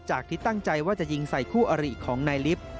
ที่ตั้งใจว่าจะยิงใส่คู่อริของนายลิฟต์